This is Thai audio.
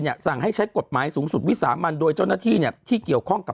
สั่งให้ใช้กฎหมายสูงสุดวิสามันโดยเจ้าหน้าที่เนี่ยที่เกี่ยวข้องกับ